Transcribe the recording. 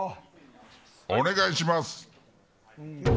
お願いします。